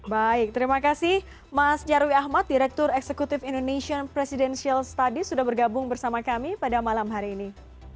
baik terima kasih mas nyarwi ahmad direktur eksekutif indonesian presidential studies sudah bergabung bersama kami pada malam hari ini